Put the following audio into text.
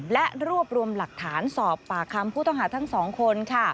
และรวบรวมหลักฐานสอบปากคำผู้ต้องหาทั้ง๒คน